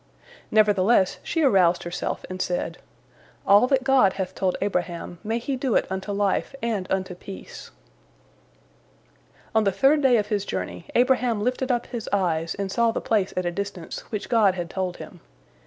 Nevertheless she aroused herself, and said, "All that God hath told Abraham, may he do it unto life and unto peace." On the third day of his journey, Abraham lifted up his eyes and saw the place at a distance, which God had told him.